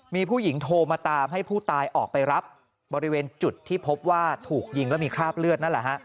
มีผู้หญิงโทรมาตามให้ผู้ตายออกไปรับบริเวณจุดที่พบว่าถูกยิงแล้วมีคราบเลือดนั่นแหละฮะ